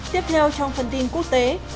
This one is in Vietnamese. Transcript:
tiếp theo trong phần tin quốc tế